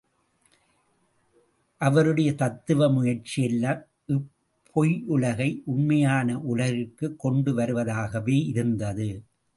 அவருடைய தத்துவ முயற்சியெல்லாம் இப்பொய்யுலகை, உண்மையான உலகிற்குக் கொண்டு வருவதாகவே இருந்தது.